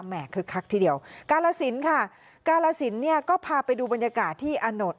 คึกคักทีเดียวกาลสินค่ะกาลสินเนี่ยก็พาไปดูบรรยากาศที่อาโนด